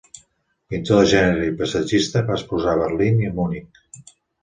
Pintor de gènere i paisatgista, va exposar a Berlín i a Munic.